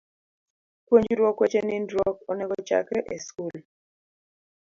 Puonjruok weche nindruok onego ochakre e skul.